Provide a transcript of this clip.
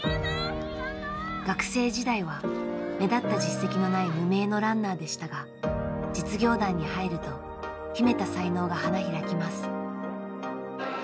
学生時代は目立った実績のない無名のランナーでしたが実業団に入ると秘めた才能が花開きます。